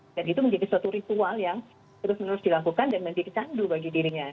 dan itu menjadi suatu ritual yang terus menerus dilakukan dan menjadi candu bagi dirinya